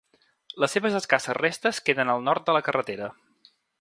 Les seves escasses restes queden al nord de la carretera.